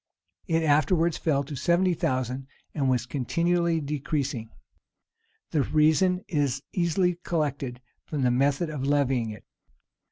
[] It afterwards fell to seventy thousand, and was continually decreasing.[] The reason is easily collected from the method of levying it.